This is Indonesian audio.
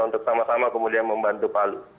untuk sama sama kemudian membantu palu